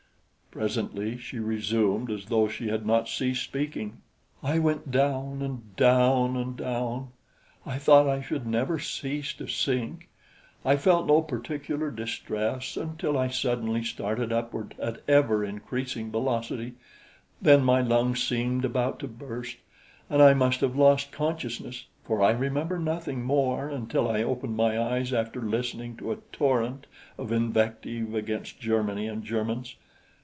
Presently she resumed as though she had not ceased speaking. "I went down and down and down. I thought I should never cease to sink. I felt no particular distress until I suddenly started upward at ever increasing velocity; then my lungs seemed about to burst, and I must have lost consciousness, for I remember nothing more until I opened my eyes after listening to a torrent of invective against Germany and Germans.